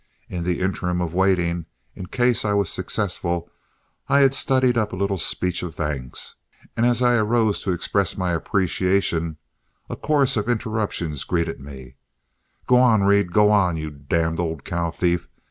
In the interim of waiting, in case I was successful, I had studied up a little speech of thanks, and as I arose to express my appreciation, a chorus of interruptions greeted me: "G' on, Reed! G' on, you d d old cow thief!